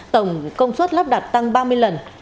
tổng công suất lắp đặt tăng ba mươi lần